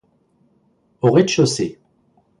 Au rez-de-chaussée.